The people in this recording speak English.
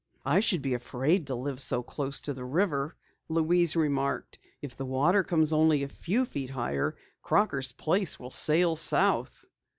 "I should be afraid to live so close to the river," Louise remarked. "If the water comes only a few feet higher, Crocker's place will sail South."